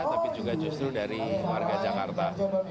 tapi juga justru dari warga jakarta